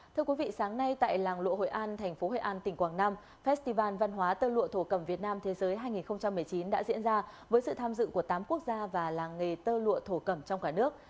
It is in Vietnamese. thưa quý vị sáng nay tại làng lụa hội an thành phố hội an tỉnh quảng nam festival văn hóa tơ lụa thổ cẩm việt nam thế giới hai nghìn một mươi chín đã diễn ra với sự tham dự của tám quốc gia và làng nghề tơ lụa thổ cẩm trong cả nước